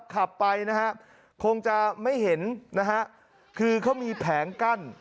ขับไปคงจะไม่เห็นคือเขามีแผงกั้น